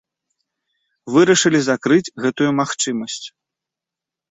Вырашылі закрыць гэтую магчымасць.